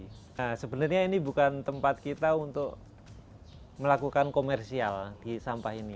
nah sebenarnya ini bukan tempat kita untuk melakukan komersial di sampah ini